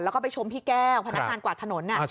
แล้วก็ไปชมพี่แก้วพนักงานกวาดถนน